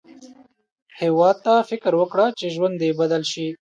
هیواد ته فکر وکړه، چې ژوند دې بدل شي